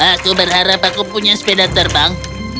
aku berharap aku punya sepeda terbang